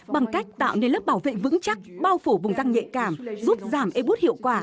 bằng cách tạo nên lớp bảo vệ vững chắc bao phủ vùng răng nhạy cảm giúp giảm ebot hiệu quả